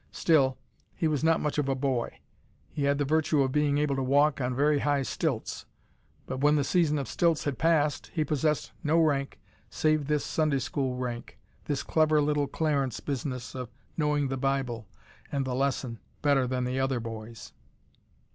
Still, he was not much of a boy. He had the virtue of being able to walk on very high stilts, but when the season of stilts had passed he possessed no rank save this Sunday school rank, this clever little Clarence business of knowing the Bible and the lesson better than the other boys.